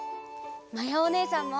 まやおねえさんも！